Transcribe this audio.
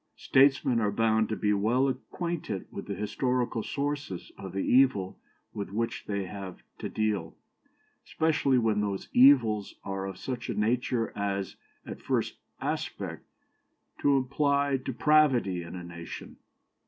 Statesmen are bound to be well acquainted with the historical sources of the evil with which they have to deal, especially when those evils are of such a nature as, at first aspect, to imply depravity in a nation.